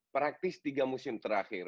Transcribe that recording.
praktis tiga musim terakhir